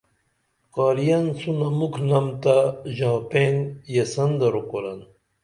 قاری ین سُونہ مُکھنم تہ ژاں پین یسن درو قرآن